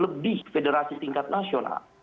lima puluh lebih federasi tingkat nasional